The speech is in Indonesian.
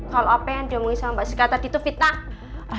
kalau apa yang dia omongin sama mbak siska tadi tuh fitnah